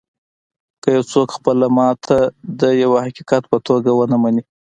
که یو څوک خپله ماتې د یوه حقیقت په توګه و نهمني